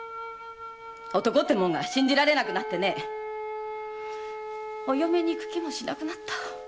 男ってものが信じられなくなってお嫁にいく気もしなくなった。